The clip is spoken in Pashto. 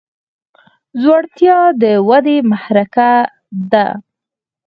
زړورتیا د ودې محرکه ده.